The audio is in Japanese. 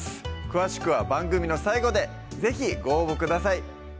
詳しくは番組の最後で是非ご応募ください